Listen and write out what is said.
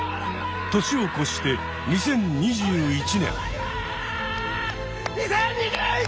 年をこして２０２１年。